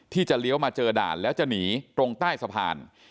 ที่จะเลี้ยวมาเจอด่านแล้วจะหนีตรงใต้สะพาน